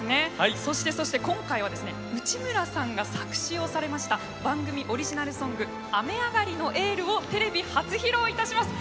そして、今回は内村さんが作詞をされました番組オリジナルソング「雨上がりのエール」をテレビ初披露いたします。